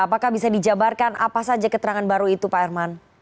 apakah bisa dijabarkan apa saja keterangan baru itu pak herman